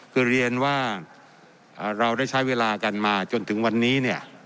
คือเรียนว่าเราได้ใช้เวลากันมาจนถึงวันนี้เนี่ย